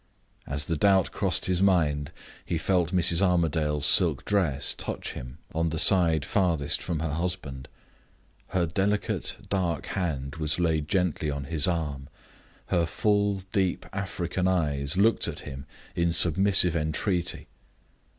As the doubt crossed his mind, he felt Mrs. Armadale's silk dress touch him on the side furthest from her husband. Her delicate dark hand was laid gently on his arm; her full deep African eyes looked at him in submissive entreaty.